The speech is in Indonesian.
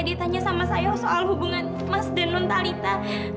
dia tanya sama saya soal hubungan mas dan nontalita